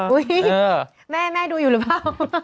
แม่แม่ดูอยู่หรือเปล่า